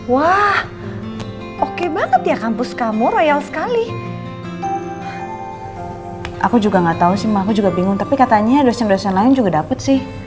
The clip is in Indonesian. wah oke banget ya kampus kamu real sekali aku juga enggak tahu sma kalau juga bingung tapi katanya punyafruit koja neuter atau kilograms meng commit uselahku maggot